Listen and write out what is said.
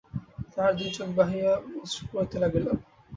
তাহার দুই চোখ বহিয়া অশ্রু পড়িতে লাগিল।